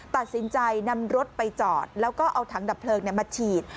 ตัดสินใจนำรถไปจอดแล้วก็เอาถังดับเพลิงมาฉีด